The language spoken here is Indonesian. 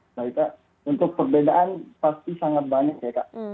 nah kak untuk perbedaan pasti sangat banyak ya kak